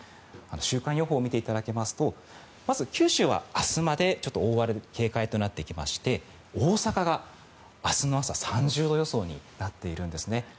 週間予報を見ていただきますとまず九州は明日まで大荒れ警戒となってきまして大阪が明日の朝３０度予想になっているんです。